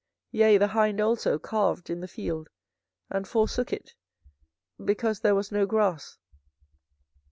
24:014:005 Yea, the hind also calved in the field, and forsook it, because there was no grass.